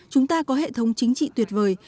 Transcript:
chúng ta có hệ thống chính trị tuyệt vời